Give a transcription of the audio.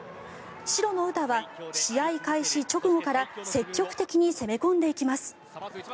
白の詩は試合開始直後から積極的に攻め込んでいきます。